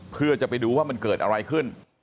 เพื่อจะไปดูว่ามันเกิดอะไรขึ้น